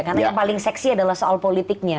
karena yang paling seksi adalah soal politiknya